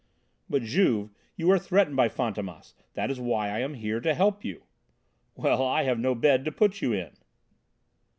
"But, Juve, you are threatened by Fantômas; that is why I am here to help you." "Well, I have no bed to put you in."